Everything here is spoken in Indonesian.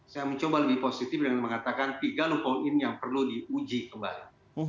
saya mencoba lebih positif dengan mengatakan tiga low point yang perlu diuji kembali